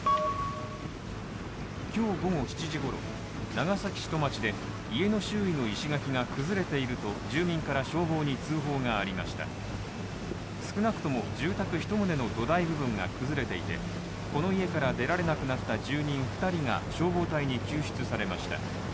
今日午後７時ごろ、長崎市戸町で家の周囲の石垣が崩れていると住民から消防に通報がありました少なくとも住宅１棟の土台部分が崩れていてこの家から出られなくなった住人２人が消防隊に救出されました。